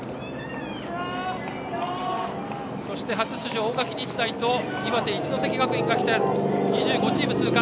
初出場の大垣日大岩手・一関学院が来て２５チームが通過。